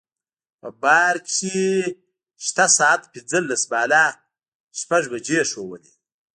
په بار کې شته ساعت پنځلس بالا شپږ بجې ښوولې.